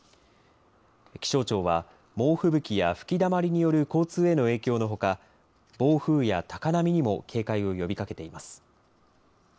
気象庁は猛吹雪や吹きだまりによる交通への影響のほか暴風や高波にも警戒を呼びかけています。